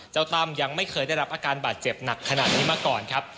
ตั้มยังไม่เคยได้รับอาการบาดเจ็บหนักขนาดนี้มาก่อนครับ